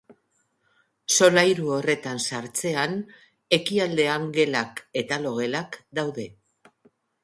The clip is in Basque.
Solairu horretan sartzean, ekialdean gelak eta logelak daude.